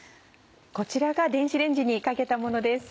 こちらが電子レンジにかけたものです。